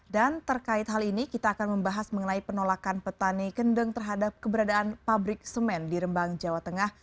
dan terkait hal ini kita akan membahas mengenai penolakan petani kendeng terhadap keberadaan pabrik semen di rembang jawa tengah